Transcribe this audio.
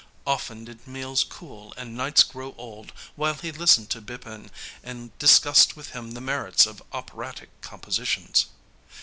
Often did meals cool and nights grow old while he listened to Bipin and discussed with him the merits of operatic compositions.